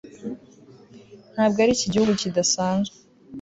ntabwo ariki gihugu kidasanzwe